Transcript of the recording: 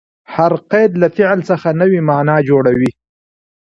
هر قید له فعل څخه نوې مانا جوړوي.